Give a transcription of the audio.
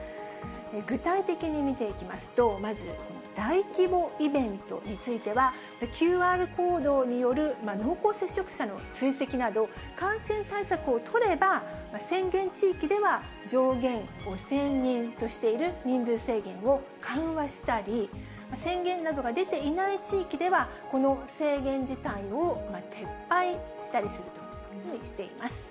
具体的に見ていきますと、まず大規模イベントについては、ＱＲコードによる濃厚接触者の追跡など、感染対策を取れば、宣言地域では上限５０００人としている人数制限を緩和したり、宣言などが出ていない地域では、この制限自体を撤廃したりするというふうにしています。